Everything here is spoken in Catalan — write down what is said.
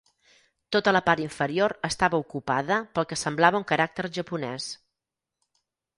Tota la part inferior estava ocupada pel que semblava un caràcter japonès.